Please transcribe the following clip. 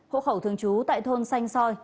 hộ khẩu thương chú tại thôn xanh xoi